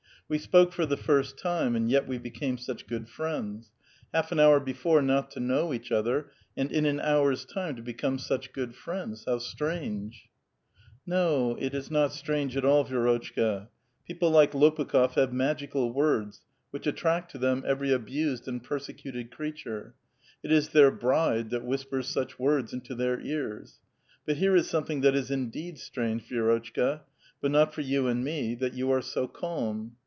" We spoke for the first time, and yet we became such good friends ; half an hour before not to know each other, and in an hour's time to become such good friends, how strange !" No ; it is not strange at all, Vi^rotchka. People like T/^pukh6f have magical words, which attract to them every abused and persecuted creature. It is their "bride" that whispers such words into their ears. But here is something that is indeed strange, Vierotehka, — but not for you and me, — that you are so calm.